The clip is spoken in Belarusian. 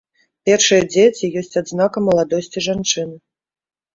Першыя дзеці ёсць адзнака маладосці жанчыны.